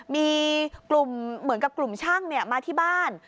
มีกลุ่มเหมือนกับกลุ่มช่างมาที่บ้าน